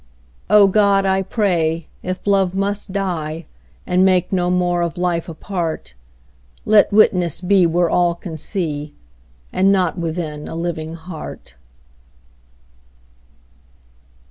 O God, I pray, if love must die, And make no more of life a part, Let witness be where all can see, And not within a living heart.